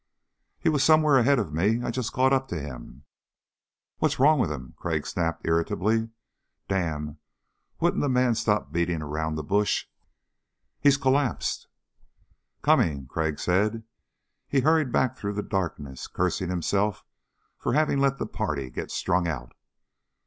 "He was somewhere ahead of me. I just caught up to him...." "What's wrong with him?" Crag snapped irritably. Damn, wouldn't the man stop beating around the bush? "He's collapsed." "Coming," Crag said. He hurried back through the darkness, cursing himself for having let the party get strung out.